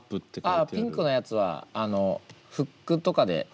ああピンクのやつはフックとかで。